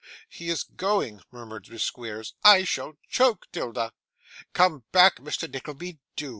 'He is going,' murmured Miss Squeers. 'I shall choke, 'Tilda.' 'Come back, Mr. Nickleby, do!